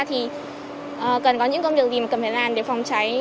thì cần có những công việc gì mà cần phải làm để phòng cháy